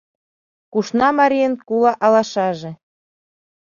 Кушна марийын кула алашаже